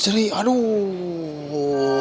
terima kasih atas dukungan hijab kita there